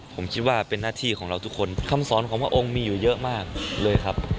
ผมคิดว่าเป็นหน้าที่ของเราทุกคนคำสอนของพระองค์มีอยู่เยอะมากเลยครับ